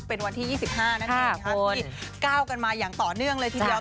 เป็นวันที่๒๕นั่นเองที่ก้าวกันมาอย่างต่อเนื่องเลยทีเดียว